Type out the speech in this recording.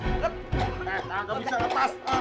eh ah gak bisa lepas